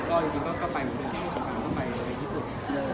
แล้วก็จริงก็ไปหนึ่งที่มีสุขภาพก็ไปญี่ปุ่น